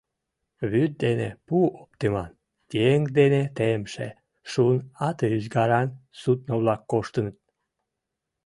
Вӱд дене пу оптыман, еҥ дене темше, шун ате ӱзгаран судно-влак коштыныт.